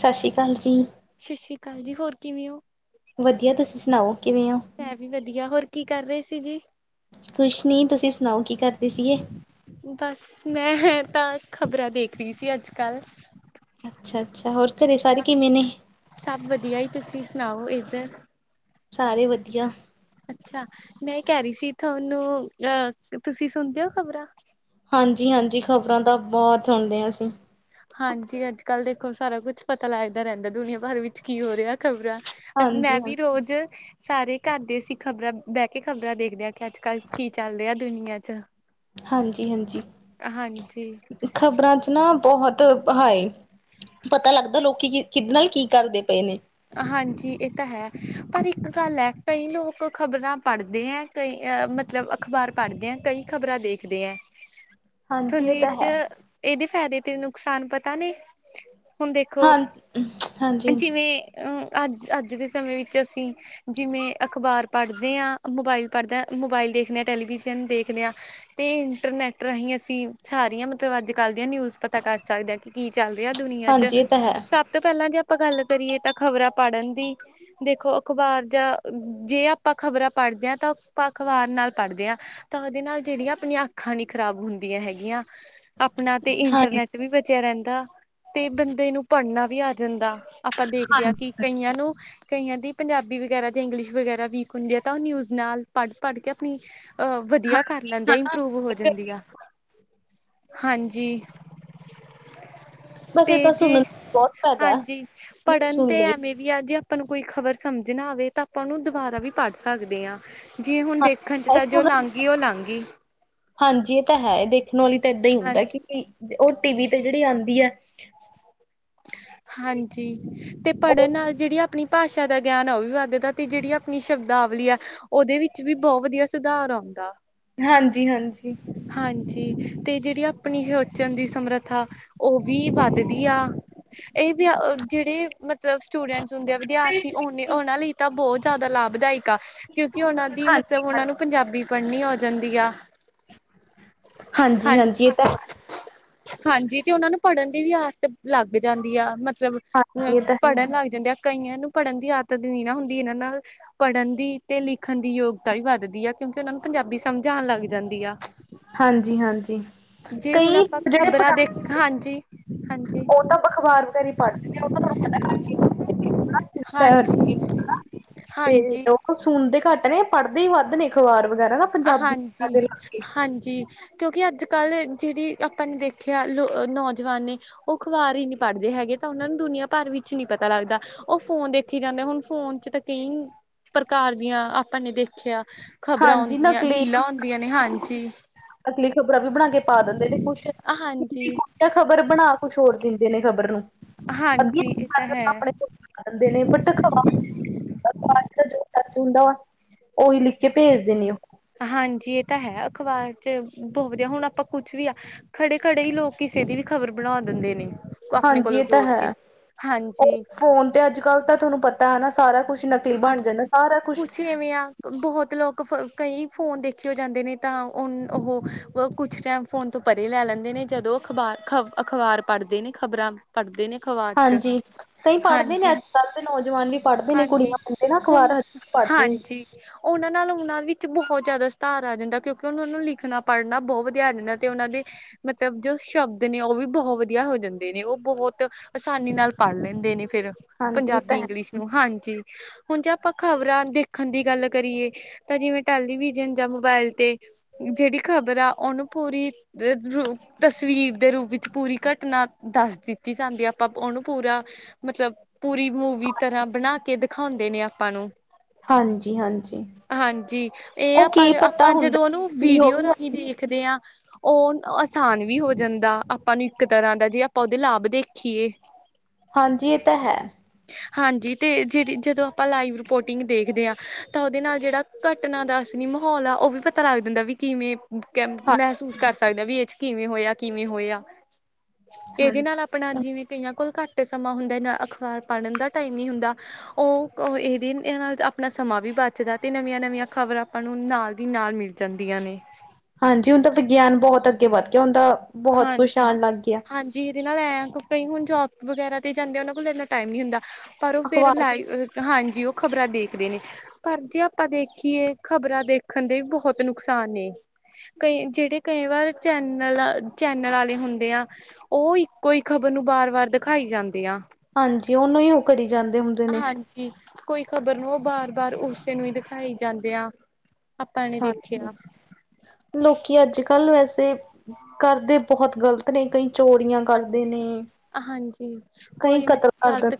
ਸਾਸ਼ੀ ਕਾਲ ਜੀ। ਸਸ਼ੀ ਕਾਲ ਜੀ, ਹੋਰ ਕਿਵੇਂ ਓਂ? ਵਦੀਆ ਤੁਸੀ ਸੁਨਾਓ ਕਿਵੇਂ ਓਂ? ਮੈਂ ਵੀ ਵਦੀਆ, ਹੋਰ ਕੀ ਕਰ ਰੇ ਸੀ ਜੀ? ਕੁਸ਼ ਨੀ ਤੁਸੀ ਸੁਨਾਓ, ਕੀ ਕਰਦੇ ਸੀਗੇ? ਬਾੱਸ ਮੈਂ ਤਾ ਖ਼ਬਰਾਂ ਦੇਖ ਰੀ ਸੀ ਅੱਜ-ਕੱਲ। ਅੱਛਾ-ਅੱਛਾ ਹੋਰ ਘਰੇ ਸਾਰੇ ਕਿਵੇਂ ਨੇ? ਸਬ ਵਦੀਆ ਜੀ, ਤੁਸੀ ਸੁਨਾਓ ਏੱਦਰ? ਸਾਰੇ ਵਦੀਆ। ਅੱਛਾ, ਮੈਂ ਏ ਕੈ ਰੀ ਸੀ ਥੋਨੂੰ, ਅ ਤੁਸੀ ਸੁਨਦੇ ਹੋ ਖ਼ਬਰਾਂ? ਹਾਂਜੀ-ਹਾਂਜੀ ਖ਼ਬਰਾਂ ਤਾਂ ਬੋਤ ਸੁਨਦੇ ਆਂ ਅਸੀ। ਹਾਂਜੀ, ਅੱਜ-ਕੱਲ ਦੇਖੋ ਸਾਰਾ ਕੁਛ ਪਤਾ ਲੱਗਦਾ ਰੈਂਦੈ ਦੁਨੀਆਂ ਭਰ ਵਿੱਚ ਕੀ ਹੋ ਰੇਆ ਖ਼ਬਰਾਂ ਮੈਂ ਹਾਂਜੀ ਹਾਂ ਵੀ ਰੋਜ਼ ਸਾਰੇ ਘਰਦੇ ਅਸੀ ਖ਼ਬਰਾਂ, ਬੈ ਕੇ ਖ਼ਬਰਾਂ ਦੇਖਦੇ ਆਂ। ਕੇ ਅੱਜ-ਕੱਲ ਕੀ ਚੱਲ ਰੇਆ ਦੁਨੀਆਂ ਚ ਹਾਂਜੀ-ਹਾਂਜੀ, ਹਾਂਜੀ ਖ਼ਬਰਾਂ ਚ ਨਾ ਬੋਹੋਤ ਹਾਏ ਪਤਾ ਲੱਗਦੈ ਲੋਕੀ ਕੀ ਕਿਧੇ ਨਾਲ ਕੀ ਕਰਦੇ ਪਏ ਨੇ। ਹਾਂਜੀ, ਏ ਤਾਂ ਹੈ ਪਰ ਇੱਕ ਗੱਲ ਐ ਕਈ ਲੋਕ ਖ਼ਬਰਾਂ ਪੜਦੇ ਐ। ਕਈ ਅ ਮਤਲਬ ਅਖ਼ਬਾਰ ਪੜਦੇ ਐ, ਕਈ ਖ਼ਬਰਾਂ ਦੇਖਦੇ ਐ। ਹਾਂਜੀ ਥੋਨੂੰ ਇਹ ਇ ਤਾਂ ਚ ਹੈ ਐਦੇ ਫਾਏਦੇ ਤੇ ਨੁਕਸਾਨ ਪਤਾ ਨੇ, ਹੁਨ ਵੇਖੋ ਹਾਂ ਹਾਂਜੀ ਹਾਂਜੀ ਜਿਵੇਂ, ਅ ਅੱਜ-ਅੱਜ ਦੇ ਸਮੇਂ ਵਿੱਚ ਅਸੀ। ਜਿਵੇਂ, ਅਖ਼ਬਾਰ ਪਾੜਦੇ ਆਂ, ਮੋਬਾਇਲ ਪਾੜਦੇ ਮੋਬਾਇਲ ਦੇਖਦੇ ਆਂ, ਟੈਲੀਵਿਜ਼ਨ ਦੇਖਦੇ ਆਂ। ਤੇ ਇੰਟਰਨੈਟ ਰਾਹੀਂ ਅਸੀ ਸਾਰੀਆਂ ਮਤਲਬ ਅੱਜ-ਕੱਲ ਦੀਆਂ ਨਿਊਜ਼ ਪਤਾ ਕਰ ਸਕਦੇ ਆਂ। ਕੀ ਚੱਲ ਰੇਆ ਦੁਨੀਆਂ ਚ, ਹਾਂਜੀ ਇਹ ਤਾਂ ਹੈ ਸਭ ਤੋਂ ਪੈਂਲਾ ਜੇ ਆਪਾਂ ਗੱਲ ਕਰੀਏ ਤਾ ਖ਼ਬਰਾਂ ਪੜਨ ਦੀ। ਦੇਖੋ ਅਖ਼ਬਾਰ ਜਾਂ ਜੇ ਆਪਾਂ ਖ਼ਬਰਾਂ ਪਾੜਦੇ ਆਂ, ਤਾ ਅਖ਼ਬਾਰ ਨਾਲ ਪਾੜਦੇ ਆਂ। ਤਾ ਓਦੇ ਨਾਲ ਜੇੜੀਆ ਆਪਨੀਆ ਅੱਖਾਂ ਨੀ ਖ਼ਰਾਬ ਹੁੰਦੀਆ ਹੈਗੀਆਂ, ਅਪਨਾ ਤੇ ਹਾਂਜੀ ਇੰਟਰਨੈੱਟ ਵੀ ਬਚੇਆ ਰੈਂਦਾ, ਤੇ ਬੰਦੇ ਨੂੰ ਪੜਨਾ ਵੀ ਆ ਜਾਂਦਾ ਆ ਆਪਾ ਦੇਖਦੇ ਆਂ ਕਿ ਕਈਆਂ ਨੂੰ ਕਈਂਆ ਦੀ ਪੰਜਾਬੀ ਵਗੈਰਾ ਜਾਂ ਇੰਗਲਿਸ਼ ਵਗੈਰਾ ਵੀਕ ਹੁੰਦੀ ਆ, ਤਾ ਓ ਨਿਊਜ਼ ਨਾਲ ਪੜ-ਪੜ ਕੇ ਪਲੀਜ਼, ਅ ਵਦੀਆ ਕਰ ਲੈਂਦੇ ਇੰਪਰੂਵ ਹੋ ਜਾਂਦੀ ਆ। ਹਾਂਜੀ। ਬਸ ਤੇ ਇਹ ਤਾਂ ਜੇ ਸੁਣਨ ਦਾ ਬਹੁਤ ਫਾਇਦਾ ਹੈ, ਹਾਂਜੀ, ਪੜਨ ਸੁਣ ਤੇ ਲਵੇ ਐ ਮੇ ਵੀ ਆ ਜੇ ਆਪਾਂ ਨੂੰ ਕੋਈ ਖ਼ਬਰ ਸਮਝ ਨਾ ਆਵੇ, ਤਾਂ ਆਪਾਂ ਓਨੂੰ ਦੁਬਾਰਾ ਵੀ ਪੜ ਸਕਦੇ ਆਂ। ਜੀ ਹੁਨ ਦੇਖਨ ਚ ਹਾਂ ਤਾਂ ਜੋ ਸੁਣ ਲੰਘ ਗੀ, ਓ ਲੰਘ ਗੀ। ਹਾਂਜੀ, ਏ ਤਾ ਹੈ, ਦੇਖਨ ਵਾਲੀ ਤਾ ਏੱਦਾ ਈ ਹਾਂਜੀ ਹੁੰਦਾ ਕਿ ਓ ਟੀ ਵੀ ਤੇ ਜੇੜੀ ਆਂਦੀ ਐ। ਹਾਂਜੀ। ਤੇ ਉਹ ਪੜਨ ਨਾਲ ਜੇੜੀ ਆਪਨੀ ਭਾਸ਼ਾ ਦਾ ਗਿਆਨ ਆ ਓ ਵੀ ਵੱਧਦਾ, ਤੇ ਜੇੜੀ ਆਪਨੀ ਸ਼ਬਦਾਵਲੀ ਆ। ਓਦੇ ਵਿੱਚ ਵੀ ਬੋ ਵਦੀਆ ਸੁਧਾਰ ਆਉਂਦਾ। ਹਾਂਜੀ-ਹਾਂਜੀ। ਹਾਂਜੀ, ਤੇ ਜੇੜੀ ਅਪਣੀ ਸੋੱਚਨ ਦੀ ਸਮਰੱਥਾ ਓ ਵੀ ਵੱਧਦੀ ਆ। ਏ ਵੀ ਆ ਜੇੜੇ ਮਤਲਬ ਸਟੂਡੈਂਟਸ ਹੁੰਦੇ ਆ, ਵਿਦਿਆਰਥੀ ਓਨੇ ਓਨਾਂ ਲਈ ਤਾ ਬੋਤ ਜਾਦਾ ਲਾਭਦਾਇਕ ਆ ਕਿਉਕਿ ਓਨਾਂ ਦੀ ਹਾਂਜੀ ਮਤਲਬ ਉਨਾਂ ਨੂੰ ਪੰਜਾਬੀ ਪੜਨੀ ਓ ਜਾਂਦੀ ਆ। ਹਾਂਜੀ-ਹਾਂਜੀ ਹਾਂਜੀ ਏ ਤਾ ਹਾਂਜੀ, ਤੇ ਓਨਾਂ ਨੂੰ ਪੜਨ ਦੀ ਵੀ ਆਦਤ ਲੱਗ ਜਾਂਦੀ ਆ ਮਤਲਬ ਅ ਹਾਂਜੀ ਇਹ ਤਾਂ ਪੜਨ ਲੱਗ ਜਾਂਦੇ ਆ, ਕਈਆਂ ਨੂੰ ਪੜਨ ਦੀ ਆਦਤ ਨੀ ਨਾ ਹੁੰਦੀ ਇਨਾਂ ਨਾਲ ਪੜ੍ਹਨ ਦੀ ਤੇ ਲਿਖਣ ਦੀ ਯੋਗਤਾ ਵੀ ਵੱਧਦੀ ਆ ਕਿਉਂਕਿ ਉਹਨਾਂ ਨੂੰ ਪੰਜਾਬੀ ਸਮਝਾਉਣ ਲੱਗ ਜਾਂਦੀ ਆ ਹਾਂਜੀ ਹਾਂਜੀ ਜੇ ਹੁਣ ਕਈ ਆਪਾਂ ਜਿਹੜੇ ਖ਼ਬਰਾਂ ਪਟਾ ਦੇਖ ਹਾਂਜੀ ਹਾਂਜੀ ਉਹ ਤਾਂ ਬਖਵਾਰ [unintelligible] ਹਾਂਜੀ ਹਾਂਜੀ [unintelligible] ਉਹ ਸੁਣਦੇ ਘੱਟ ਨੇ ਪੜ੍ਹਦੇ ਹੀ ਵੱਧ ਨੇ ਅਖ਼ਬਾਰ ਵਗੈਰਾ ਨਾ ਪੰਜਾਬੀ ਹਾਂਜੀ ਦੇ ਲਾ ਕੇ ਹਾਂਜੀ ਕਿਉਂਕਿ ਅੱਜ ਕੱਲ ਜਿਹੜੀ ਆਪਾਂ ਨੇ ਦੇਖਿਆ ਲੋ ਨੌਜਵਾਨ ਨੇ ਉਹ ਅਖ਼ਬਾਰ ਹੀ ਨਹੀਂ ਪੜ੍ਹਦੇ ਹੈਗੇ ਤਾਂ ਉਹਨਾਂ ਨੂੰ ਦੁਨੀਆਂ ਭਰ ਵਿੱਚ ਨਹੀਂ ਪਤਾ ਲੱਗਦਾ ਉਹ ਫੋਨ ਦੇਖੀ ਜਾਂਦੇ ਹੁਣ ਫੋਨ ਚ ਤਾਂ ਕਈ ਪ੍ਰਕਾਰ ਦੀਆਂ ਆਪਾਂ ਨੇ ਦੇਖਿਆ ਖ਼ਬਰਾਂ ਹਾਂਜੀ ਨਾ ਆਉਂਦੀਆਂ ਰੀਲਾਂ ਹੁੰਦੀਆਂ ਨੇ ਹਾਂਜੀ [unintelligible] ਖ਼ਬਰਾਂ ਵੀ ਬਣਾ ਕੇ ਪਾ ਦਿੰਦੇ ਤੇ ਕੁੱਛ ਹਾਂਜੀ [unintelligible] ਖ਼ਬਰ ਬਣਾ ਕੁੱਛ ਹੋਰ ਦਿੰਦੇ ਨੇ ਖ਼ਬਰ ਨੂੰ ਅੱਧੀਆਂ ਹਾਂਜੀ ਇਹ ਤਾਂ ਹੈ [unintelligible] ਆਂਦੇ ਨੇ ਬਟ ਖਵਾ [unintelligible] ਹੁੰਦਾ ਉਹੀ ਲਿਖ ਕੇ ਭੇਜ ਦੇਣੇ ਹੋ ਹਾਂਜੀ ਇਹ ਤਾਂ ਹੈ ਅਖਬਾਰ ਚ ਬਹੁਤ ਵਧੀਆ ਹੁਣ ਆਪਾਂ ਕੁੱਛ ਵੀ ਆ ਖੜੇ ਖੜੇ ਹੀ ਲੋਕ ਕਿਸੇ ਦੀ ਵੀ ਖ਼ਬਰ ਬਣਾ ਦਿੰਦੇ ਨੇ ਆਪਣੇ ਹਾਂਜੀ ਕੋਲੋਂ ਇਹ ਤਾਂ ਜੋੜ ਕੇ ਹੈ ਉਹ ਹਾਂਜੀ ਫੋਨ ਤੇ ਅੱਜ ਕੱਲ੍ਹ ਤਾਂ ਤੁਹਾਨੂੰ ਪਤਾ ਹੈ ਨਾ ਸਾਰਾ ਕੁੱਛ ਨਕਲੀ ਹਾਂ ਬਣ ਜਾਂਦਾ ਸਾਰਾ ਕੁੱਛ ਕੁਛ ਐਵੇਂ ਆ ਬਹੁਤ ਲੋਕ ਫ ਕਈ ਫੋਨ ਦੇਖੇਓ ਜਾਂਦੇ ਨੇ ਤਾਂ ਉਹਨ ਉਹ ਕੁੱਛ ਟੈਮ ਫ਼ੋਨ ਤੋਂ ਪਰੇ ਲੈ ਲੈਂਦੇ ਨੇ ਜਦੋਂ ਅਖਬਾਰ ਖਬ ਅਖਬਾਰ ਪੜ੍ਹਦੇ ਨੇ ਖ਼ਬਰਾਂ ਪੜਦੇ ਨੇ ਅਖਵਾਰ ਚ ਹਾਂਜੀ ਕਈ ਪੜ੍ਹਦੇ ਨੇ ਹਾਂਜੀ ਅੱਜ ਕੱਲ੍ਹ ਦੇ ਨੌਜਵਾਨ ਵੀ ਪੜ੍ਹਦੇ ਨੇ ਹਾਂਜੀ ਕੁੜੀਆਂ ਮੁੰਡੇ ਨਾ ਹੁਣ ਅਖ਼ਬਾਰ ਹਜੇ ਪੜ੍ਹਦੇ ਨੇ ਹਾਂਜੀ ਉਹਨਾਂ ਨਾਲ ਉਹਨਾਂ ਵਿੱਚ ਬਹੁਤ ਜ਼ਿਆਦਾ ਸੁਧਾਰ ਆ ਜਾਂਦਾ ਕਿਉਂਕਿ ਉਹਨੂੰ ਉਹਨੂੰ ਲਿਖਣਾ ਪੜ੍ਹਨਾ ਬਹੁਤ ਵਧੀਆ ਆ ਜਾਂਦਾ ਤੇ ਉਹਨਾਂ ਦੇ ਮਤਲਬ ਜੋ ਸ਼ਬਦ ਨੇ ਉਹ ਵੀ ਬਹੁਤ ਵਧੀਆ ਹੋ ਜਾਂਦੇ ਨੇ ਉਹ ਬਹੁਤ ਅਸਾਨੀ ਨਾਲ ਪੜ੍ਹ ਲੈਂਦੇ ਨੇ ਫਿਰ ਹਾਂਜੀ ਇਹ ਤਾਂ ਪੰਜਾਬੀ ਹੈ ਇੰਗਲਿਸ਼ ਨੂੰ ਹਾਂਜੀ ਹੁਣ ਜੇ ਆਪਾਂ ਖ਼ਬਰਾਂ ਦੇਖਣ ਦੀ ਗੱਲ ਕਰੀਏ ਤਾਂ ਜਿਵੇਂ ਟੈਲੀਵਿਜ਼ਨ ਜਾਂ ਮੋਬਾਇਲ ਤੇ ਜਿਹੜੀ ਖ਼ਬਰ ਆ ਉਹਨੂੰ ਪੂਰੀ [unintelligible] ਤਸਵੀਰ ਦੇ ਰੂਪ ਵਿੱਚ ਪੂਰੀ ਘਟਨਾ ਦੱਸ ਦਿੱਤੀ ਜਾਂਦੀ ਹੈ ਆਪਾਂ ਉਹਨੂੰ ਪੂਰਾ ਮਤਲਬ ਪੂਰੀ ਮੂਵੀ ਤਰ੍ਹਾਂ ਬਣਾ ਕੇ ਦਿਖਾਉਂਦੇ ਨੇ ਆਪਾਂ ਨੂੰ ਹਾਂਜੀ ਹਾਂਜੀ ਹਾਂਜੀ ਇਹ ਆ ਉਹ ਕੀ ਪਰ ਪਤਾ ਆਪਾਂ ਜਦੋਂ ਹੁੰਦਾ ਉਹਨੂੰ ਕੀ ਹੋ ਵੀਡੀਓ ਰਾਹੀਂ ਦੇਖਦੇ ਹਾਂ ਉਹ ਆਸਾਨ ਵੀ ਹੋ ਜਾਂਦਾ ਆਪਾਂ ਨੂੰ ਇੱਕ ਤਰ੍ਹਾਂ ਦਾ ਜੇ ਆਪਾਂ ਉਹਦੇ ਲਾਭ ਦੇਖੀਏ [inaudible] ਹਾਂਜੀ ਇਹ ਤਾਂ ਹੈ ਹਾਂਜੀ ਤੇ ਜਿਹੜੀ ਜਦੋਂ ਆਪਾਂ ਲਾਈਵ ਰਿਪੋਰਟਿੰਗ ਦੇਖਦੇ ਹਾਂ ਤਾਂ ਉਹਦੇ ਨਾਲ ਜਿਹੜਾ ਘਟਨਾ ਦਾ ਅਸਲੀ ਮਾਹੌਲ ਆ ਉਹ ਵੀ ਪਤ ਤਾ ਲੱਗ ਜਾਂਦਾ ਵੀ ਕਿਵੇਂ ਕੇਂ ਹਾਂ ਮਹਿਸੂਸ ਕਰ ਸਕਦੇ ਹਾਂ ਵੀ ਇਹ ਚ ਕਿਵੇਂ ਹੋਇਆ ਕਿਵੇਂ ਹੋਇਆ ਇਹਦੇ ਹਾਂਜੀ ਨਾਲ ਆਪਣਾ ਜਿਵੇਂ ਕਈਆਂ ਕੋਲ ਘੱਟ ਸਮਾਂ ਹੁੰਦਾ ਨਾ ਅਖਬਾਰ ਪੜ੍ਹਨ ਦਾ ਟਾਈਮ ਨਹੀਂ ਹੁੰਦਾ ਉਹ ਕ ਇਹਦੇ ਨਾਲ ਆਪਣਾ ਸਮਾਂ ਵੀ ਬਚਦਾ ਤੇ ਨਵੀਆਂ ਨਵੀਆਂ ਖ਼ਬਰਾਂ ਆਂਪਾਂ ਨੂੰ ਨਾਲ ਦੀ ਨਾਲ ਮਿਲ ਜਾਂਦੀਆਂ ਨੇ ਹਾਂਜੀ ਹੁਣ ਤਾਂ ਵਿਗਿਆਨ ਬਹੁਤ ਅੱਗੇ ਵੱਧ ਗਿਆ ਹੁਣ ਤਾਂ ਬਹੁਤ ਕੁੱਛ ਆਉਣ ਲੱਗ ਗਿਆ ਜਿਹਦੇ ਨਾਲ ਐ ਕਈ ਹੁਣ ਜੋਬ ਵਗੈਰਾ ਤੇ ਜਾਂਦੇ ਉਹਨਾਂ ਕੋਲ ਇੰਨਾ ਟਾਈਮ ਨਹੀਂ ਹੁੰਦਾ। ਪਰ ਉਹ ਫਿਰ ਅਖ਼ਬਾਰ ਲਾਈ ਹਾਂਜੀ ਉਹ ਖ਼ਬਰਾਂ ਦੇਖਦੇ ਨੇ। ਪਰ ਜੇ ਆਪਾਂ ਦੇਖੀਏ ਖ਼ਬਰਾਂ ਦੇਖਣ ਦੇ ਵੀ ਬਹੁਤ ਨੁਕਸਾਨ ਨੇ। ਕਈ ਜਿਹੜੇ ਕਈ ਵਾਰ ਚੈਨਲ ਆ ਚੈਨਲ ਵਾਲੇ ਹੁੰਦੇ ਆ, ਉਹ ਇੱਕੋ ਹੀ ਖ਼ਬਰ ਨੂੰ ਵਾਰ-ਵਾਰ ਦਿਖਾਈ ਜਾਂਦੇ ਆ। ਹਾਂਜੀ ਉਹਨੂੰ ਹੀ ਉਹ ਕਰੀ ਜਾਂਦੇ ਹੁੰਦੇ। ਨੇ ਹਾਂਜੀ ਕੋਈ ਖ਼ਬਰ ਨੂੰ ਉਹ ਬਾਰ-ਬਾਰ ਉਸੇ ਨੂੰ ਹੀ ਦਿਖਾਈ ਜਾਂਦੇ ਆ। ਆਪਾਂ ਨੇ ਹਾਂਜੀ ਦੇਖਿਆ ਲੋਕੀ ਅੱਜ ਕੱਲ ਵੈਸੇ ਕਰਦੇ ਬਹੁਤ ਗ਼ਲਤ ਨੇ ਕਈ ਚੋਰੀਆਂ ਕਰਦੇ ਨੇ, ਹਾਂਜੀ ਕਈ ਕੋਈ ਮ ਕਤਲ ਕਰਦੇ ਗਲਤ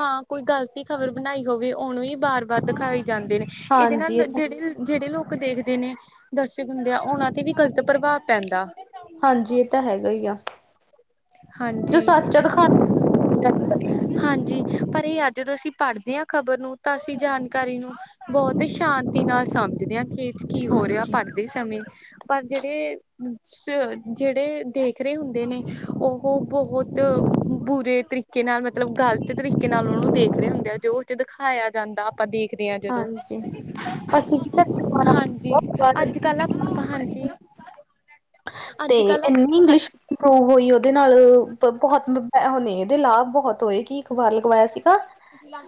ਹਾਂ ਕੋਈ ਗ਼ਲਤੀ ਖ਼ਬਰ ਬਣਾਈ ਹੋਵੇ, ਉਹਨੂੰ ਹੀ ਬਾਰ ਵਾਰ ਦਿਖਾਏ ਜਾਂਦੇ ਨੇ ਇਹਦੇ ਹਾਂਜੀ ਇਹ ਨਾਲ ਤਾਂ ਜਿਹੜੇ ਜਿਹੜੇ ਲੋਕ ਦੇਖਦੇ ਨੇ ਦਰਸ਼ਕ ਹੁੰਦੇ ਆ ਉਹਨਾਂ ਤੇ ਵੀ ਗ਼ਲਤ ਪ੍ਰਭਾਵ ਪੈਂਦਾ। ਹਾਂਜੀ ਇਹ ਤਾਂ ਹੈਗਾ ਹੀ ਆ। ਜੋ ਹਾਂਜੀ। ਸੱਚ ਆ ਦਿਖਾਣਾ ਵੀ ਚਾਹੀਦਾ। ਹਾਂਜੀ, ਪਰ ਇਹ ਜਦੋਂ ਅਸੀਂ ਪੜ੍ਹਦੇ ਹਾਂ ਖ਼ਬਰ ਨੂੰ ਤਾਂ ਅਸੀਂ ਜਾਣਕਾਰੀ ਨੂੰ ਬਹੁਤ ਹੀ ਸ਼ਾਂਤੀ ਨਾਲ ਸਮਝਦੇ ਹਾਂ ਏਦੇ ਚ ਕੀ ਹੋ ਰਿਹਾ ਹਾਂਜੀ ਪਰ ਦੇ ਸਮੇਂ ਪਰ ਜਿਹੜੇ-ਜਿਹੜੇ ਦੇਖ ਰਹੇ ਹੁੰਦੇ ਨੇ ਉਹ ਬਹੁਤ ਬੁਰੇ ਤਰੀਕੇ ਨਾਲ ਮਤਲਬ ਗ਼ਲਤ ਤਰੀਕੇ ਨਾਲ ਉਹਨਾਂ ਨੂੰ ਦੇਖਦੇ ਹੁੰਦੇ ਆ ਜੋ ਦਿਖਾਇਆ ਜਾਂਦਾ। ਦੇਖਦੇ ਹਾਂ ਜਦੋਂ, ਹਾਂਜੀ ਅਸੀਂ ਵੀ ਦੁਬਾਰਾ ਹਾਂਜੀ ਅੱਜ ਕੱਲ ਨਾ ਹਾਂ ਹਾਂਜੀ। ਅੱਜ ਤੇਰੇ ਕੱਲ ਇੰਨੀ ਇੰਗਲਿਸ਼ ਇੰਪਰੂਵ ਹੋਈ ਉਹਦੇ ਨਾਲ ਬਹੁਤ ਆ ਦੁੱਧ ਹੱਥ ਇਹਦੇ ਲਾਭ ਬਹੁਤ ਹੋਏ ਕਿ ਅਖ਼ਵਾਰੀ ਲਗਵਾਇਆ ਸੀਗਾ।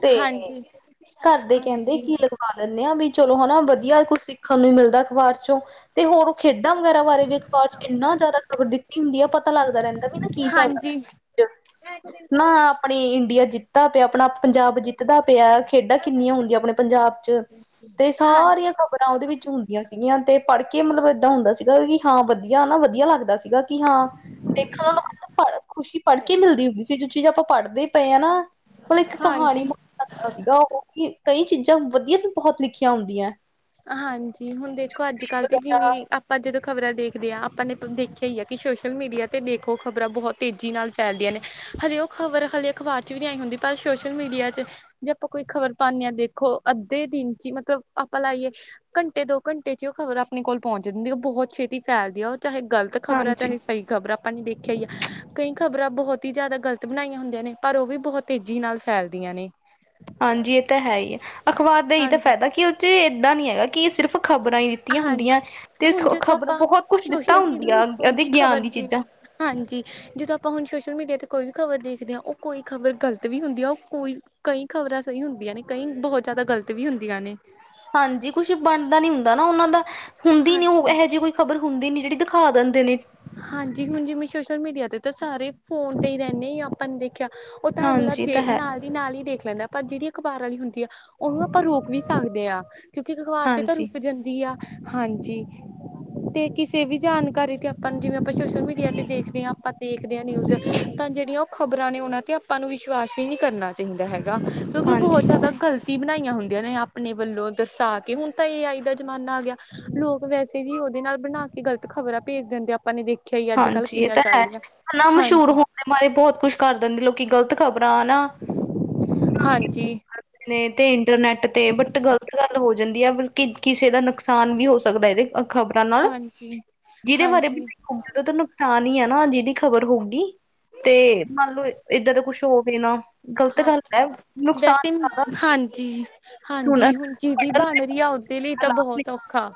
ਤੇ ਹਾਂਜੀ-ਹਾਂਜੀ। ਪਾ ਲੈਂਦੇ ਆ ਵੀ ਚਲੋ ਹਨਾ ਵਧੀਆ ਕੁੱਛ ਸਿੱਖਣ ਨੂੰ ਮਿਲਦਾ ਅਖ਼ਬਾਰ ਚੋਂ ਤੇ ਹੋਰ ਖੇਡਾਂ ਵਗੈਰਾ ਬਾਰੇ ਵੀ ਚ ਇੰਨਾ ਜ਼ਿਆਦਾ ਖ਼ਬਰ ਦਿੱਤੀ ਹੁੰਦੀ ਆ ਪਤਾ ਲੱਗਦਾ ਰਹਿੰਦਾ ਨਾ ਚੱਲਦਾ। ਹਾਂਜੀ [inaudible] ਨਾ ਆਪਣੇ ਇੰਡੀਆ ਜਿੱਤਾ ਤੇ ਆਪਣਾ ਪੰਜਾਬ ਜਿੱਤ ਧਦਾ ਪਿਆ ਖੇਡਾਂ ਕਿੰਨੀਆਂ ਹੁੰਦੀਆਂ ਆਪਣੇ ਪੰਜਾਬ ਚ ਤੇ ਹਾਂਜੀ ਸਾਰੀਆਂ ਖ਼ਬਰਾਂ ਉਹਦੇ ਵਿੱਚ ਹੁੰਦੀਆਂ। ਸੀਗੀਆਂ ਤੇ ਪੜ੍ਹ ਕੇ ਮਤਲਬ ਏਦਾਂ ਹੁੰਦਾ ਸੀਗਾ ਵੀ ਹਾਂ ਵਧੀਆ ਨਾ ਵਧੀਆ ਲੱਗਦਾ ਸੀ। ਸੀਗਾ ਕਿ ਹਾਂ ਦੇਖਣ ਨੂੰ ਮਤਲਬ ਪੜ ਖੁਸ਼ੀ ਪੜ੍ਹ ਕੇ ਮਿਲਦੀ ਹੁੰਦੀ ਸੀ ਜ ਚੀਜ਼ ਆਪਾਂ ਪੜ੍ਹਦੇ ਹੀ ਪਏ ਹਾਂ ਨਾ ਮਤਲਬ ਇੱਕ ਕਹਾਣੀ ਹਾਂਜੀ ਨੂੰ ਸੀਗਾ ਉਹ ਕਈ ਚੀਜ਼ਾਂ ਵਧੀਆ ਬਹੁਤ ਲਿਖੀਆਂ ਹੁੰਦੀਆਂ। ਹਾਂਜੀ ਹੁਣ ਦੇਖੋ ਅੱਜ ਕੱਲ ਤੇ ਜਿਵੇਂ ਵਗੈਰਾ ਆਪਾ ਪਰ ਜਦੋਂ ਖ਼ਬਰਾਂ ਦੇਖਦੇ ਹਾਂ ਆਪਾਂ ਨੇ ਦੇਖਿਆ ਹੀ ਆ ਕਿ ਸੋਸ਼ਲ ਮੀਡੀਆ ਤੇ ਦੇਖੋ ਖ਼ਬਰਾਂ ਬਹੁਤ ਤੇਜ਼ੀ ਨਾਲ ਫੈਲਦੀਆਂ ਨੇ। ਹਲੇੇ ਉਹ ਖ਼ਬਰ ਹਲੇ ਅਖ਼ਬਾਰ ਚ ਵੀ ਨਹੀਂ ਆਈ ਹੁੰਦੀ ਪਰ ਸੋਸ਼ਲ ਮੀਡੀਆ ਚ ਜੇ ਆਪਾਂ ਕੋਈ ਖ਼ਬਰ ਪਾਉਂਦੇ ਹਾਂ, ਦੇਖੋ ਅੱਧੇ ਦਿਨ ਚ ਹੀ ਮਤਲਬ ਆਪਾਂ ਲਾਈਏ ਘੰਟੇ ਦੋ ਘੰਟੇ ਚ ਉਹ ਖ਼ਬਰ ਆਪਣੇ ਕੋਲ ਪਹੁੰਚ ਦਿੰਦੀ। ਉਹ ਬਹੁਤ ਛੇਤੀ ਫੈ਼ਲਦੀ ਆ ਉਹ ਚਾਹੇ ਗਲਤ ਤੇ ਖਬਰਾਂ ਚ ਹਾਂਜੀ ਕਈ ਖ਼ਬਰ ਆਪਾਂ ਨੇ ਦੇਖਿਆ ਹੀ ਆ, ਕਈ ਖ਼ਬਰਾਂ ਬਹੁਤ ਹੀ ਜ਼ਿਆਦਾ ਗਲਤ ਬਣਾਈਆਂ ਹੁੰਦੀਆਂ ਨੇ ਪਰ ਉਹ ਵੀ ਬਹੁਤ ਤੇਜ਼ੀ ਨਾਲ ਫੈਲਦੀਆਂ ਨੇ। ਹਾਂਜੀ ਇਹ ਤਾਂ ਹੈ ਹੀ ਹੈ। ਅਖ਼ਬਾਰ ਦਾ ਹੀ ਤਾਂ ਹਾਂਜੀ ਫਾਇਦਾ ਕੀ ਉਹ ਚ ਏਦਾਂ ਨਹੀਂ ਹੈਗਾ ਕਿ ਸਿਰਫ਼ ਖ਼ਬਰਾਂ ਹੀ ਦਿੱਤੀਆਂ ਹੁੰਦੀਆਂ। ਹਾਂਜੀ ਤੇ ਹੁਣ ਜਦੋਂ ਖ਼ਬਰ ਆਪਾਂ ਬਹੁਤ ਕੁਛ ਦਿੱਤਾ ਸੋਸ਼ਲ ਮੀਡੀਆ ਤੇ ਹੁੰਦੀਆਂ ਏ ਕੋਈ ਵੀ ਖ਼ਬਰ ਗਿਆਨ ਦੀ ਦੇ ਚੀਜ਼ਾਂ। ਹਾਂਜੀ। ਜਦੋਂ ਆਪਾਂ ਹੁਣ ਸੋਸ਼ਲ ਮੀਡੀਆ 'ਤੇ ਕੋਈ ਵੀ ਖ਼ਬਰ ਦੇਖਦੇ ਹਾਂ। ਉਹ ਕੋਈ ਖ਼ਬਰ ਗਲਤ ਵੀ ਹੁੰਦੀ ਆ ਉਹ ਕੋਈ ਕਈ ਖ਼ਬਰਾਂ ਸਹੀ ਹੁੰਦੀਆਂ ਨੇ, ਕਈ ਬਹੁਤ ਜ਼ਿਆਦਾ ਗ਼ਲਤ ਵੀ ਹੁੰਦੀਆਂ ਨੇ। ਹਾਂਜੀ ਕੁਛ ਬਣਦਾ ਨੀ ਹੁੰਦਾ ਨਾ ਉਹਨਾਂ ਦਾ ਹੁੰਦੀ ਨੀ ਉਹ ਹਾਂਜੀ ਇਹੋ ਜਿਹੀ ਕੋਈ। ਖ਼ਬਰ ਹੁੰਦੀ ਨੀ ਜਿਹੜੀ ਦਿਖਾ ਦਿੰਦੇ ਨੇ। ਹਾਂਜੀ ਹੁਣ ਜਿਵੇਂ ਸੋਸ਼ਲ ਮੀਡੀਆ ਤੇ ਤਾਂ ਸਾਰੇ ਫੋਨ ਤੇ ਹੀ ਰਹਿੰਦੇ ਆ ਆਪਾਂ ਦੇ। ਮੈਂਖਿਆ ਉਹ ਤਾਂ ਅਗਲਾ ਹਾਂਜੀ ਇਹ ਤਾਂ ਦੇ ਹੈ ਨਾਲ। ਨਾਲ ਹੀ ਦੇਖ ਲੈਂਦਾ ਪਰ ਜਿਹੜੀ ਅਖ਼ਬਾਰ ਵਾਲੀ ਹੁੰਦੀ ਆ ਉਹਨੂੰ ਆਪਾਂ ਰੋਕ ਵੀ ਸਕਦੇ ਹਾਂ। ਕਿਉਂਕਿ ਅਖ਼ਬਾਰ ਤੇ ਤਾਂ ਹਾਂਜੀ ਰੁਕ ਜਾਂਦੀ ਆ ਹਾਂਜੀ ਤੇ ਕਿਸੇ ਵੀ ਜਾਣਕਾਰੀ ਤੇ। ਪਰ ਜਿਵੇਂ ਆਪਾਂ ਸੋਸ਼ਲ ਮੀਡੀਆ ਤੇ ਦੇਖਦੇ ਹਾਂ ਆਪਾਂ ਦੇਖਦੇ ਹਾਂ ਨਿਊਜ਼ ਤਾਂ ਜਿਹੜੀਆਂ ਉਹ ਖ਼ਬਰਾਂ ਨੇ ਉਹਨਾਂ ਤੇ ਆਪਾ। ਆਪਾਂ ਨੂੰ ਵਿਸ਼ਵਾਸ ਵੀ ਨਹੀਂ ਕਰਨਾ ਚਾਹੀਦਾ ਹੈਗਾ ਕਿਉਂਕਿ ਉਹ ਬਹੁਤ ਹਾਂਜੀ ਜ਼ਿਆਦਾ ਹਾਂਜੀ ਗਲਤ। ਬਣਾਈਆਂ ਹੁੰਦੀਆਂ ਨੇ ਆਪਣੇ ਵੱਲੋਂ ਦਰਸਾ ਕੇ ਹੁਣ ਤਾਂ ਏ ਆਈ ਦਾ ਜ਼ਮਾਨਾ ਆ ਗਿਆ ਲੋਕ ਵੈਸੇ। ਤੇ ਵੀ ਉਹਦੇ ਨਾਲ ਬਣਾ ਕੇ ਗਲਤ ਖ਼ਬਰਾਂ ਭੇਜ ਦਿੰਦੇ ਆਪਾਂ ਨੇ ਦੇਖੀਆ। ਹਾਂਜੀ ਇਹ ਤਾਂ ਹੈ ਹਨਾ ਮਸ਼ਹੂਰ ਹਾਂਜੀ ਹੋਣ ਦੇ ਮਾਰੇ ਬਹੁਤ ਕੁਛ ਕਰ ਦਿੰਦੇ ਲੋਕੀ ਗ਼ਲਤ ਖ਼ਬਰਾਂ ਹਨਾ। ਹਾਂਜੀ। ਨੇ ਤੇ ਇੰਟਰਨੈਟ ਤੇ ਬਟ ਗਲਤ ਗੱਲ ਹੋ ਜਾਂਦੀ ਆ ਬਿਲਕੁਲ। ਕਿ ਕਿਸੇ ਦਾ ਨੁਕਸਾਨ ਵੀ ਹੋ ਸਕਦਾ ਇਹਦੇ। ਖ਼ਬਰਾਂ ਨਾਲ ਹਾਂਜੀ-ਹਾਂਜੀ। ਏਦਾਂ ਤਾਂ ਨੁਕਸਾਨ ਹੀ ਹੈ ਨਾ ਜਿਦੀ ਖ਼ਬਰ ਹੋਊਗੀ ਤੇ ਮੰਨ ਲਓ। ਏਦਾਂ ਦਾ ਕੁੱਛ ਹੋਵੇ ਨਾ। ਗ਼ਲਤ ਗੱਲ ਹਾਂਜੀ ਹੈ ਨੁਕਸਾਨ ਵੈਸੇ ਜ਼ਿਆਦਾ ਹੈ। ਹਾਂਜੀ। ਹਾਂਜੀ ਹੁਣ ਜਿਹਦੀ ਪੜਨ ਬਣ ਤੇ ਰਹੀ ਆ ਉਹਦੇ ਲਈ ਪਤਾ ਤਾਂ ਲਾਭ ਬਹੁਤ ਨਹੀਂ ਔਖਾ।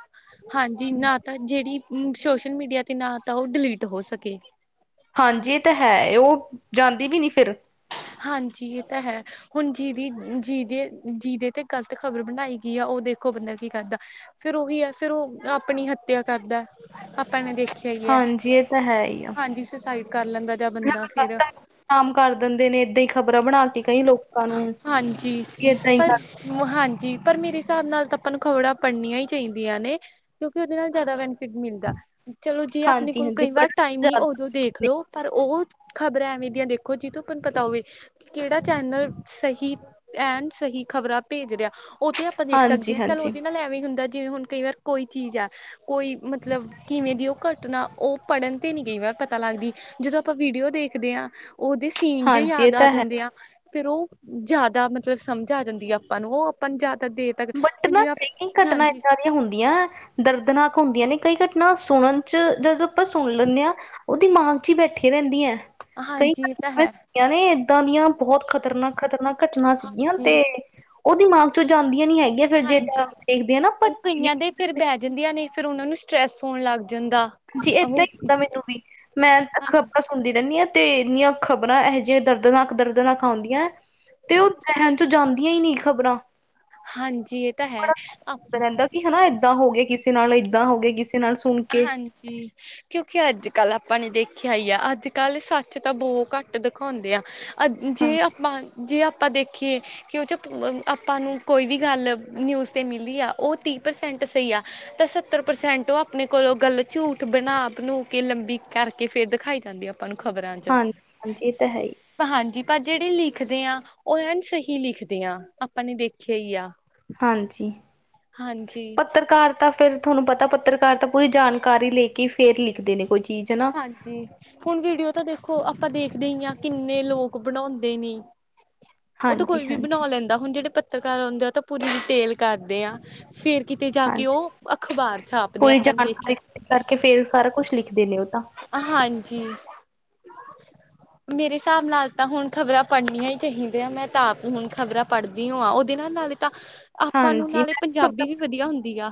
ਹਾਂਜੀ ਨਾ ਤਾਂ ਜਿਹੜੀ ਸੋਸ਼ਲ ਮੀਡੀਆ ਤੇ ਨਾ ਤਾਂ ਉਹ ਡਿਲੀਟ ਹੋ ਸਕੇ। ਹਾਂਜੀ ਇਹ ਤਾਂ ਹੈ ਉਹ ਜਾਂਦੀ ਵੀ ਨੀ ਫਿਰ। ਹਾਂਜੀ ਇਹ ਤਾਂ ਹੈ। ਹੁਣ ਜਿਹਦੀ ਜਿਹਦੇ ਜਿਹਦੇ ਤੇ ਗ਼ਲਤ ਖ਼ਬਰ ਬਣਾਈ ਗਈ ਆ ਉਹ ਦੇਖੋ ਬੰਦਾ ਕੀ ਕਰਦਾ। ਫਿਰ ਉਹੀ ਹੈ ਫਿਰ ਉਹ ਆਪਣੀ ਹੱਤਿਆ ਕਰਦਾ ਆਪਾਂ ਨੇ ਦੇਖ। ਹਾਂਜੀ ਇਹ ਤਾਂ ਹੈ ਹੀ ਆ ਹਾਂਜੀ ਸੁਸਾਈਡ ਕਰ ਲੈਂਦਾ ਜਾ ਬੰਦਾ ਫਿਰ। ਆਮ ਕਰ ਦਿੰਦੇ ਨੇ ਏਦਾਂ ਹੀ ਖ਼ਬਰਾਂ ਬਣਾ ਕੇ ਕਈ ਲੋਕਾਂ ਨੂੰ ਹਾਂਜੀ ਏਦਾਂ ਹੀ ਪਰ ਕਰ। ਹਾਂਜੀ ਪਰ ਮੇਰੇ ਹਿਸਾਬ ਨਾਲ ਤਾਂ ਆਪਾਂ ਨੂੰ ਖ਼ਬਰਾਂ ਪੜ੍ਹਨੀਆਂ ਹੀ ਚਾਹੀਦੀਆਂ ਨੇ। ਕਿਉਂਕਿ ਉਹਦੇ ਨਾਲ ਜ਼ਿਆਦਾ ਬੈਨੀਫਿਟ ਮਿਲਦਾ ਚਲੋ ਜੇ ਆਪਣੇ ਹਾਂਜੀ ਕੋਲ ਹਾਂਜੀ ਕਈ ਵਾਰ ਪੜ੍ਹਨ ਟਾਈਮ ਨੀ ਜ਼ਿਆਦਾ ਉਦੋਂ ਦੇਖ ਲੋ। ਪਰ ਉਹ ਖ਼ਬਰਾਂ ਐਵੇਂ ਦੀਆਂ ਦੇਖੋ ਜਿਹ ਤੂੰ ਆਪੈ ਨੂੰ ਪਤਾ ਹੋਵੇ। ਕਿਹੜਾ ਚੈਨਲ ਸਹੀ ਐਨ ਸਹੀ ਖ਼ਬਰਾਂ ਭੇਜ ਰਿਹਾ। ਉਹ ਤੇ ਆਪਾਂ ਦੇਖ ਸਕਦੇ ਹਾਂਜੀ ਹਾਂ ਚੱਲ ਹਾਂਜੀ ਉਹਦੇ ਨਾਲ ਐਵੇ ਹੀ ਹੁੰਦਾ ਜਿਵੇਂ ਹੁਣ ਕਈ ਵਾਰ ਕੋਈ ਚੀਜ਼ ਆ। ਕੋਈ ਮਤਲਬ ਕਿਵੇਂ ਦੀ ਉਹ ਘਟਨਾ ਉਹ ਪੜ੍ਹਨ ਤੇ ਵੀ ਨਹੀਂ ਪਤਾ ਲੱਗਦੀ। ਜਦੋਂ ਆਪਾਂ ਵੀਡੀਓ ਦੇਖਦੇ ਹਾਂ ਉਹਦੇ ਸੀਨ ਜੇ ਹਾਂਜੀ ਇਹ ਯਾਦ। ਆ ਤਾਂ ਹੈ ਜਾਂਦੇ ਉਹ ਜ਼ਿਆਦਾ ਮਤਲਬ ਸਮਝ ਆ ਜਾਂਦੀ ਆ ਆਪਾਂ ਨੂੰ ਉਹ ਆਪਾਂ ਨੂੰ ਜਿਆਦਾ ਦੇ। ਬਟ ਹੁਣ ਨਾ ਜਿਵੇ ਆਪ ਕਈ ਘਟਨਾ ਹਾਂਜੀ। ਏਦਾਂ ਹੁੰਦੀਆਂ ਦਰਦਨਾਕ ਹੁੰਦੀਆਂ ਨੇ ਕਈ ਘਟਨਾ ਸੁਣਨ ਚ ਜਦੋਂ ਆਪਾਂ ਸੁਣ ਲੈਂਣੇਆ। ਉਹ ਦਿਮਾਗ ਚ ਹੀ ਬੈਠੀ ਰਹਿੰਦੀਆਂ। ਕਈ ਹਾਂਜੀ ਇਹ ਤਾਂ ਹੈ ਘਟਨਾ ਨੇ ਏਦਾਂ ਦੀਆਂ ਬਹੁਤ ਖ਼ਤਰਨਾਕ-ਖ਼ਤਰਨਾਕ ਘਟਨਾ ਸੀਗੀਆਂ ਹਾਂਜੀ ਤੇ। ਉਹ ਦਿਮਾਗ ਚੋ ਜਾਂਦੀਆਂ ਨੀ ਹੈਗੀਆਂ ਫਿਰ ਜਦੋ ਹਾਂਜੀ ਦੇਖਦੇਆ ਨਾਂ। ਉਹ ਕਈਆਂ ਦੇ ਫਿਰ ਬਹਿ ਜਾਂਦੀਆਂ ਨੇ ਫਿਰ ਉਹਨਾਂ ਨੂੰ ਸਟਰ੍ਰੈਸ ਹੋਣ ਲੱਗ ਜਾਂਦਾ। ਜੀ ਉਹ ਇਦਾਂ ਹੀ [unintelligible] ਹੁੰਦੀ ਰਹਿੰਦੀ ਐ ਤੇ ਇੰਨੀਆਂ ਖ਼ਬਰਾਂ ਇਹ ਜਿਹੀਆਂ ਦਰਦਨਾਕ ਦਰਦਨਾਕ ਆਉਂਦੀਆਂ। ਤੇ ਉਹ ਜਹਿਣ ਚੋ ਜਾਂਦੀਆਂ ਨੀ ਖ਼ਬਰਾਂ। ਹਾਂਜੀ ਇਹ ਤਾਂ ਹੈ ਆ। ਰਹਿੰਦਾ ਕਿ ਹਨਾ ਏਦਾਂ ਹੋ ਗਏ ਕਿਸੇ ਨਾਲ ਏਦਾਂ ਹੋ ਗਏ ਕਿਸੇ ਨਾਲ ਸੁਣ। ਕੇ ਹਾਂਜੀ ਕਿਉਂਕਿ ਅੱਜ ਕੱਲ ਆਪਾਂ ਨੇ ਦੇਖਿਆ ਹੀ ਆ ਅੱਜ ਕੱਲ ਸੱਚ ਤਾਂ ਬਹੁ ਘੱਟ ਦਿਖਾਉਂਦੇ ਆ ਅ ਜੇ ਹਾਂਜੀ ਆਪਾਂ ਜੇ ਆਪਾਂ ਦੇਖੀਏ ਕਿ ਉਹ ਜੋ ਆਪਾਂ ਨੂੰ ਕੋਈ ਵੀ ਗੱਲ ਨਿਊਜ਼ 'ਤੇ ਮਿਲੀ ਆ ਉਹ ਤੀਹ ਪ੍ਰਸੈਂਟ ਸਹੀ ਆ। ਤਾਂ ਸੱਤਰ ਪ੍ਰਸੈਂਟ ਉਹ ਆ ਆਪਣੇ ਕੋਲੋਂ ਗੱਲ ਝੂਠ ਬਣਾ ਬਣੂ ਕੇ ਲੰਬੀ ਕਰਕੇ ਫਿਰ ਦਿਖਾਈ ਜਾਂਦੀ ਆ ਆਪ ਆਪਾਂ ਨੂੰ ਖਬਰਾਂ ਚ ਹਾਂਜੀ ਹਾਂਜੀ ਇਹ ਤਾਂ ਹੈ ਹੀ ਹਾਂਜੀ ਪਰ ਜਿਹੜੇ ਲਿਖਦੇ ਆ ਉਹ ਐਨ ਸਹੀ ਲਿਖਦੇ ਆ ਆਪਾਂ ਨੇ ਦੇਖਿਆ ਹੀ ਆ ਹਾਂਜੀ ਹਾਂਜੀ ਪੱਤਰਕਾਰ ਤਾਂ ਫਿਰ ਤੁਹਾਨੂੰ ਪਤਾ ਪੱਤਰਕਾਰ ਤਾਂ ਪੂਰੀ ਜਾਣਕਾਰੀ ਲੈ ਕੇ ਫੇਰ ਲਿਖਦੇ ਨੇ ਕੋਈ ਚੀਜ਼ ਹਨਾ ਹਾਂਜੀ ਹੁਣ ਵੀਡੀਓ ਤਾਂ ਦੇਖੋ ਆਪਾਂ ਦੇਖਦੇ ਹੀ ਆ ਕਿੰਨੇ ਲੋਕ ਬਣਾਉਂਦੇ ਨੇ ਉਹ ਤਾਂ ਹਾਂਜੀ ਕੋਈ ਵੀ ਹਾਂਜੀ ਬਣਾ ਲੈਂਦਾ ਹੁਣ ਜਿਹੜੇ ਪੱਤਰਕਾਰ ਹੁੰਦੇ ਆ ਉਹ ਤਾਂ ਪੂਰੀ ਡੀਟੇਲ ਕਰਦੇ ਆ ਫੇਰ ਕਿਤੇ ਜਾ ਕੇ ਹਾਂਜੀ ਉਹ ਅਖ਼ਬਾਰ ਛਾਪਦੇ ਆਪਾਂ ਨੇ ਦੇਖਿਆ ਤੇ ਤੜਕੇ ਫੇਰ ਸਾਰਾ ਕੁਛ ਲਿਖਦੇ ਨੇ ਉਹ ਤਾਂ ਹਾਂਜੀ ਮੇਰੇ ਹਿਸਾਬ ਨਾਲ ਤਾਂ ਹੁਣ ਖ਼ਬਰਾਂ ਪੜ੍ਹਨੀਆਂ ਹੀ ਚਾਹੀਦੀਆਂ ਮੈਂ ਤਾਂ ਹੁਣ ਖ਼ਬਰਾਂ ਪੜ੍ਹਦੀ ਈਓ ਆ ਉਹਦੇ ਨਾਲ ਨਾਲੇ ਤਾਂ ਆਪਾਂ ਨੂੰ ਹਾਂਜੀ ਨਾਲੇ ਮੈਂ ਪੰਜਾਬੀ ਵੀ ਵਧੀਆ ਹੁੰਦੀ ਆ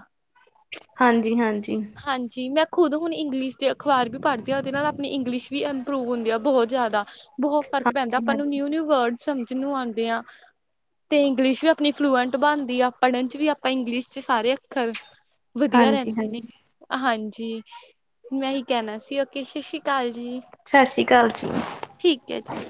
ਹਾਂਜੀ ਹਾਂਜੀ ਹਾਂਜੀ ਹਾਂਜੀ ਮੈਂ ਖੁਦ ਹੁਣ ਇੰਗਲਿਸ਼ ਦੇ ਅਖਬਾਰ ਵੀ ਪੜ੍ਹਦੀ ਆ ਉਹਦੇ ਨਾਲ ਆਪਣੀ ਇੰਗਲਿਸ਼ ਵੀ ਇੰਪਰੂਵ ਹੁੰਦੀ ਆ ਬਹੁਤ ਜ਼ਿਆਦਾ ਬਹੁਤ ਫ਼ਰਕ ਪੈਂਦਾ ਹਾਂਜੀ ਆਪਾਂ ਨੂੰ ਹਾਂਜੀ ਨਿਊ ਨਿਊ ਵਰਡ ਸਮਝ ਨੂੰ ਆਦੇ ਆ ਤੇ ਇੰਗਲਿਸ਼ ਵੀ ਆਪਣੀ ਫਲੂਐਂਟ ਬਣਦੀ ਆ ਪੜ੍ਹਨ ਚ ਵੀ ਆਪਾਂ ਇੰਗਲਿਸ਼ ਚ ਸਾਰੇ ਅੱਖਰ ਵਧੀਆ ਹਾਂਜੀ ਰਹਿੰਦੇ ਨੇ ਹਾਂਜੀ ਹਾਂਜੀ ਮੈਂ ਈ ਕਹਿਣਾ ਸੀ ਓਕੇ ਸਸ਼ਰੀ ਅਕਾਲ ਜੀ ਸਤਿ ਸ੍ਰੀ ਅਕਾਲ ਜੀ ਠੀਕ ਹੈ ਜੀ